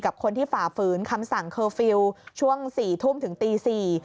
กับคนที่ฝ่าฝืนคำสั่งเคอร์ฟิลล์ช่วง๔ทุ่มถึงตี๔